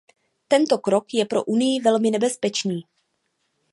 Tento krok je pro Unii velmi nebezpečný.